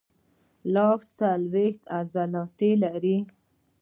لاس څلورویشت عضلات لري.